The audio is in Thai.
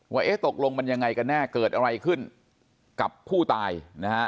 เอ๊ะตกลงมันยังไงกันแน่เกิดอะไรขึ้นกับผู้ตายนะฮะ